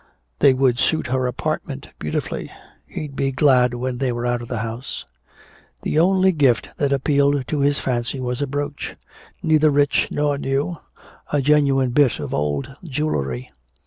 They would suit her apartment beautifully. He'd be glad when they were out of the house. The only gift that appealed to his fancy was a brooch, neither rich nor new, a genuine bit of old jewelry.